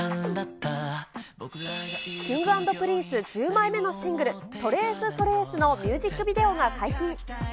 Ｋｉｎｇ＆Ｐｒｉｎｃｅ、１０枚目のシングル、ＴｒａｃｅＴｒａｃｅのミュージックビデオが解禁。